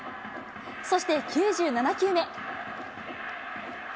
そして９７球目。